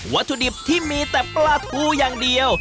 วัตถุดิบที่มีแต่ปลาทูอย่างเดียว